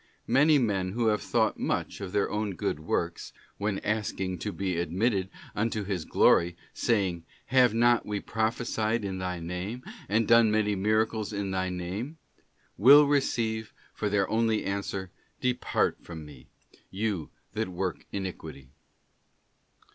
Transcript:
'* Many men who have thought much of their own good works, when asking to be admitted unto His glory, saying, 'Have not we prophesied in Thy name... and done many miracles in Thy name?' will receive for their only answer: ' Depart from Me, you that work iniquity.